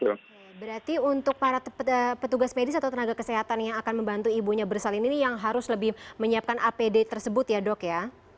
oke berarti untuk para petugas medis atau tenaga kesehatan yang akan membantu ibunya bersalin ini yang harus lebih menyiapkan apd tersebut ya dok ya